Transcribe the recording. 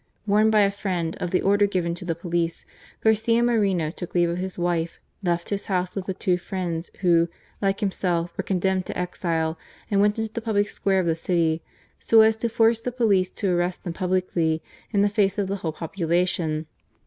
Warned by a friend of the order given to the police^ Garcia Moreno took leave of his wife, left his house with the two friends who, like himself, were con demned to exile, and went into the public square of the city, so as to force the police to arrest them publicly in the face of the whole population.